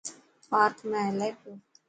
پارڪ ۾ هلي پيو.